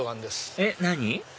えっ何？